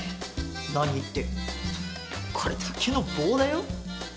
何ってこれ卓球の棒だよ。